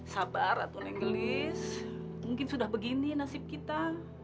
sabar atun enggelis mungkin sudah begini nasib kita